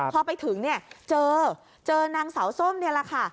พอไปถึงเนี่ยเจอเจอนางสาวส้มนี่แหละค่ะ